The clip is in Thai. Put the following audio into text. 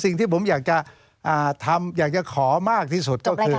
สิ่งที่ผมอยากจะทำอยากจะขอมากที่สุดก็คือ